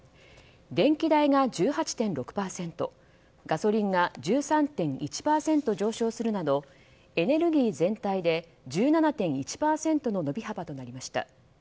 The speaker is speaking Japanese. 電気代が１８．６％ガソリンが１３．１％上昇するなどエネルギー全体で１７．１％の伸び幅となりました。